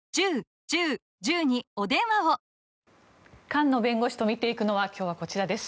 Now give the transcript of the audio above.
菅野弁護士と見ていくのはこちらです。